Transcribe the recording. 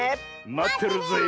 まってるぜえ。